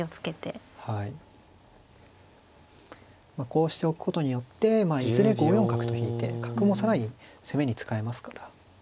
こうしておくことによっていずれ５四角と引いて角も更に攻めに使えますから。